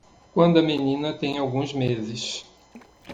Quando a menina tem alguns meses